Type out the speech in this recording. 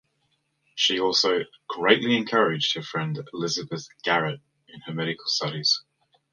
She also "greatly encouraged" her friend Elizabeth Garrett in her medical studies.